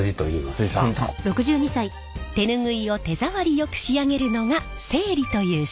手ぬぐいを手触りよく仕上げるのが整理という仕事。